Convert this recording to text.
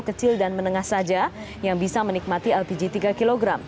kecil dan menengah saja yang bisa menikmati lpg tiga kg